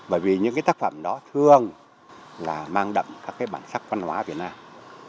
bởi vì những cái tác phẩm đó thường là mang đậm các cái bản sắc văn hóa việt nam